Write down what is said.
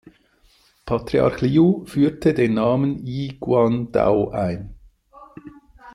Patriarch Liu führte den Namen Yi Guan Dao ein.